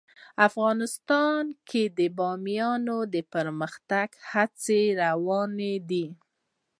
افغانستان کې د بامیان د پرمختګ هڅې روانې دي.